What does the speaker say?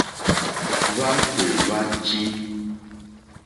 Hwátò hwá tʃǐ.